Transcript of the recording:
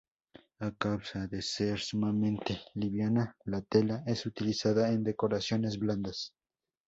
A causa de ser sumamente liviana, la tela es utilizada en decoraciones blandas.